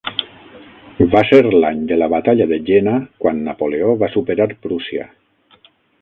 Va ser l'any de la batalla de Jena quan Napoleó va superar Prússia.